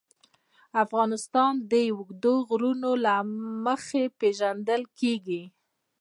افغانستان د اوږده غرونه له مخې پېژندل کېږي.